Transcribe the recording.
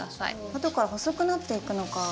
後から細くなっていくのか。